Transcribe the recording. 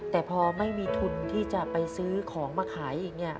แต่พอไม่มีทุนที่จะไปซื้อของมาขายอีกเนี่ย